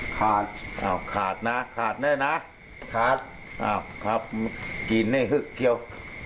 ขาดขาดนะขาดเนี่ยนะขาดอ้าวครับกินนี่คือเกียว